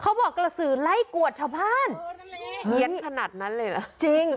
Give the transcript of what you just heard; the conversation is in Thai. เขาบอกกระสือไล่กวดชาวพรรดิหินขนาดนั้นเลยเหรอจริง